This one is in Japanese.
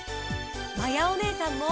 まやおねえさんも！